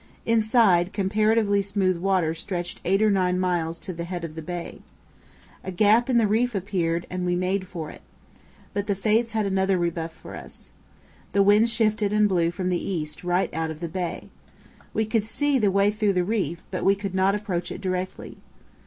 Inside, comparatively smooth water stretched eight or nine miles to the head of the bay. A gap in the reef appeared, and we made for it. But the fates had another rebuff for us. The wind shifted and blew from the east right out of the bay. We could see the way through the reef, but we could not approach it directly.